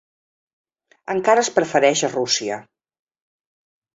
Encara es prefereix a Rússia.